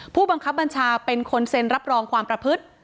ผู้บังคับบัญชาเป็นคนเซ็นรับรองความประพฤติ